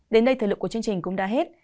đến đây thời lượng của chương trình cũng đã hết